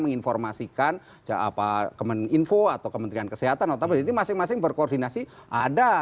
menginformasikan kemeninfo atau kementerian kesehatan otomatis ini masing masing berkoordinasi ada